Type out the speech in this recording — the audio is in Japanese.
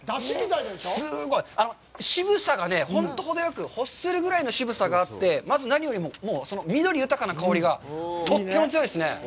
すごい！渋さが、本当にほどよく、ほっそりぐらいの渋さがあって、何よりも緑豊かな香りがとっても強いですね。